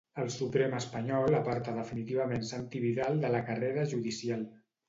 El Suprem espanyol aparta definitivament Santi Vidal de la carrera judicial.